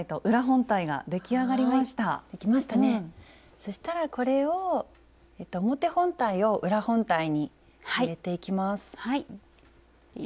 そしたらこれを表本体を裏本体に入れていきます。